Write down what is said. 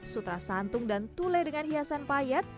sutra santung dan tule dengan hiasan payat